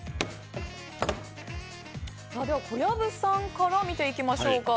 小籔さんから見ていきましょう。